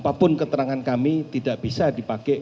apapun keterangan kami tidak bisa dipakai